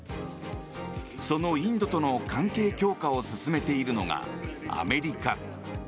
そのインドとの関係強化を進めているのがアメリカ。